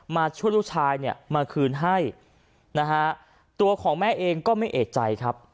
มาช่วยลูกชายเนี่ยมาคืนให้นะฮะตัวของแม่เองก็ไม่เอกใจครับ